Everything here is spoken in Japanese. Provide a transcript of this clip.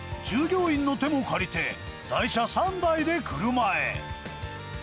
従業員の手も借りて、台車３台で車へ。